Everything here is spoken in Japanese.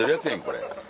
これ。